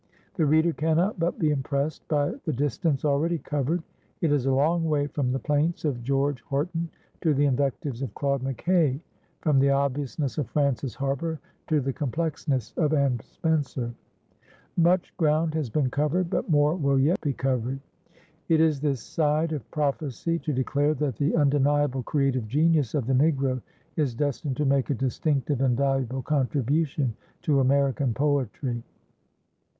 The reader cannot but be impressed by the distance already covered. It is a long way from the plaints of George Horton to the invectives of Claude McKay, from the obviousness of Frances Harper to the complexness of Anne Spencer. Much ground has been covered, but more will yet be covered. It is this side of prophecy to declare that the undeniable creative genius of the Negro is destined to make a distinctive and valuable contribution to American poetry.